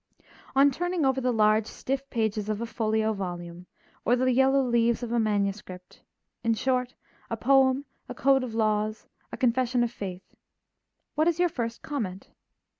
On turning over the large stiff pages of a folio volume, or the yellow leaves of a manuscript, in short, a poem, a code of laws, a confession of faith, what is your first comment?